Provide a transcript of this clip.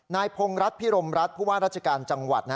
นายพงรัฐพิรมรัฐผู้ว่าราชการจังหวัด